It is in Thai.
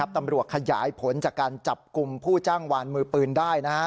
ตำรวจขยายผลจากการจับกลุ่มผู้จ้างวานมือปืนได้